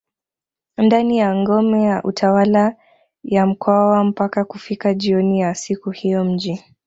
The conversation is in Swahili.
ndani ya ngome ya utawala wa mkwawa mpaka kufika jioni ya siku hiyo mji